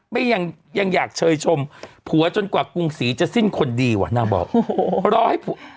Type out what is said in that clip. ยังยังอยากเชยชมผัวจนกว่ากรุงศรีจะสิ้นคนดีว่ะนางบอกโอ้โหรอให้ผัว